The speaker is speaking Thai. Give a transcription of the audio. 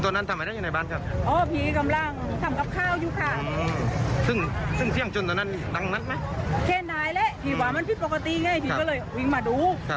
พอวิ่งมาดูขอให้ทุกคนปณีที่ก็เล่นฤทธิ์ศูนย์นึงลก๖กราวค่ะ